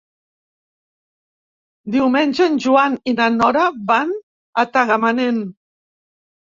Diumenge en Joan i na Nora van a Tagamanent.